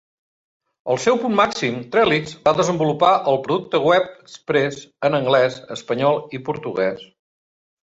Al seu punt màxim, Trellix va desenvolupar el producte Web Express en anglès, espanyol i portuguès.